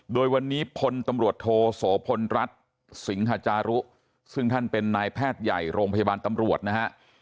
โดยวันนี้พลตำรวจโทโสพลรัฐสิงหาจารุซึ่งท่านเป็นนายแพทย์ใหญ่โรงพยาบาลตำรวจนะฮะ